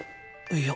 いや。